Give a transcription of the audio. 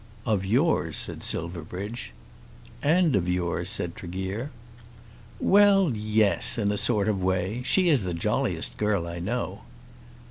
"Of yours," said Silverbridge. "And of yours," said Tregear. "Well, yes; in a sort of way. She is the jolliest girl I know."